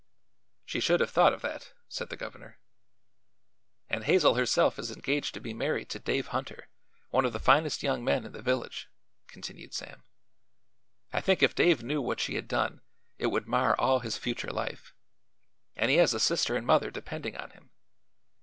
"She should have thought of that," said the governor. "And Hazel herself is engaged to be married to Dave Hunter, one of the finest young men in the village," continued Sam. "I think if Dave knew what she had done it would mar all his future life; and he has a sister and mother depending on him.